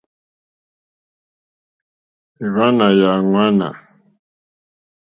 Èwànâ yà ŋwánà.